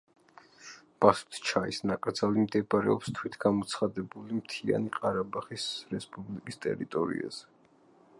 ბასუთჩაის ნაკრძალი მდებარეობს თვითგამოცხადებული მთიანი ყარაბაღის რესპუბლიკის ტერიტორიაზე.